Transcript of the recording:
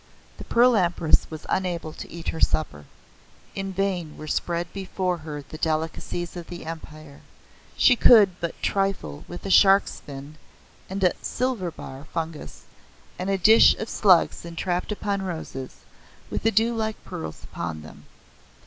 The Pearl Empress was unable to eat her supper. In vain were spread before her the delicacies of the Empire. She could but trifle with a shark's fin and a "Silver Ear" fungus and a dish of slugs entrapped upon roses, with the dew like pearls upon them.